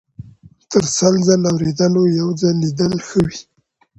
- تر سل ځل اوریدلو یو ځل لیدل ښه دي.